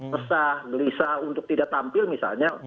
resah gelisah untuk tidak tampil misalnya